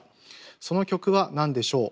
その曲はなんでしょう？